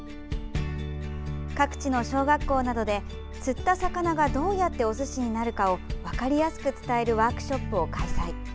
各地の小学校などで、釣った魚がどうやっておすしになるかを分かりやすく伝えるワークショップを開催。